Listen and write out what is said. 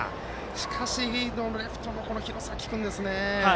しかし、レフトの廣崎君ですね。